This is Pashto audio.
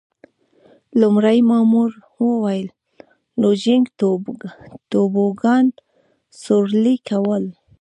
لومړي مامور وویل: لوژینګ، توبوګان سورلي کول.